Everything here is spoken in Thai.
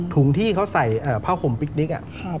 ถุงที่เขาใส่ผ้าห่มปิ๊กนิก